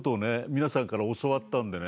皆さんから教わったんでね。